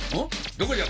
どこじゃ？